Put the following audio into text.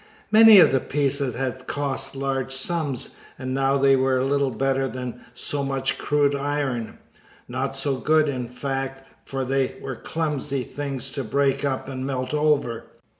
Many of the pieces had cost large sums, and now they were little better than so much crude iron not so good, in fact, for they were clumsy things to break up and melt over.